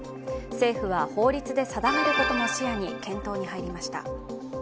政府は法律で定めることも視野に検討に入りました。